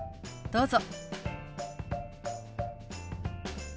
どうぞ。